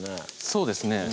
そうですね